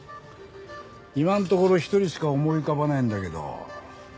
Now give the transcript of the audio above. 今のところ一人しか思い浮かばねえんだけど。